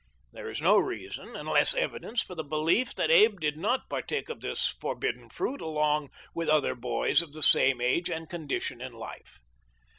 There is no reason and less evidence for the belief that Abe did not partake of this forbidden fruit along with other boys of the same age and condition in life.